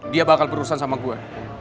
dia bakal berurusan sama gue